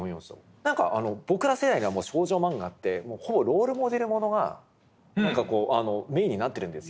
僕ら世代にはもう少女漫画ってほぼロールモデルものが何かこうメインになってるんですよね。